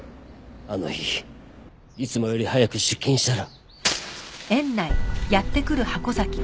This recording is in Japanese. あの日いつもより早く出勤したら。